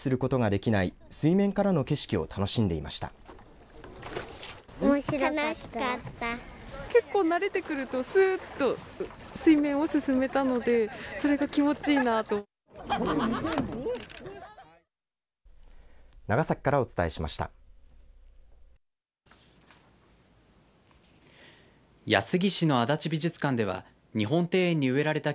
長崎からお伝えしました。